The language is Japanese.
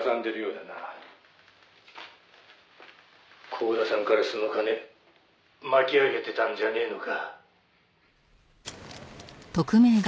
「光田さんからその金巻き上げてたんじゃねえのか？」